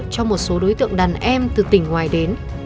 cho một số đối tượng đàn em từ tỉnh ngoài đến